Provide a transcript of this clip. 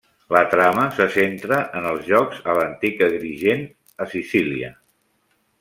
La trama se centra en els jocs a l'antic Agrigent, a Sicília.